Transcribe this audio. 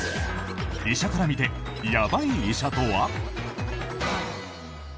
医者から見てやばい医者とは？